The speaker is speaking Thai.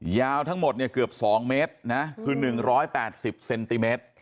ยาวทั้งหมดเนี่ยเกือบ๒เมตรนะคือ๑๘๐เซนติเมตร